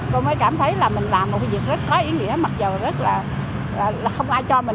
cô mới cảm thấy là mình làm một việc rất có ý nghĩa mặc dù là không ai cho mình